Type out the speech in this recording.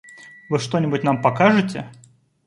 Вы что-нибудь нам покажете?